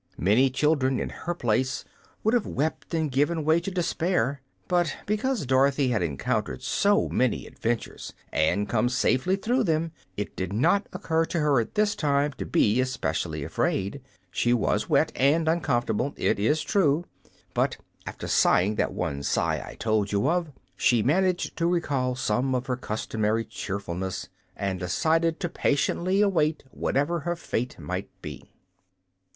Many children, in her place, would have wept and given way to despair; but because Dorothy had encountered so many adventures and come safely through them it did not occur to her at this time to be especially afraid. She was wet and uncomfortable, it is true; but, after sighing that one sigh I told you of, she managed to recall some of her customary cheerfulness and decided to patiently await whatever her fate might be.